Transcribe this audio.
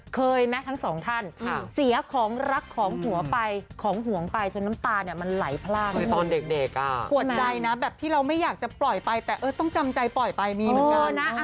เคยไหมทั้งสองท่านเสียของรักของหัวไปของห่วงไปจนน้ำตาเนี่ยมันไหลพลากไปตอนเด็กปวดใจนะแบบที่เราไม่อยากจะปล่อยไปแต่ต้องจำใจปล่อยไปมีเหมือนกันนะ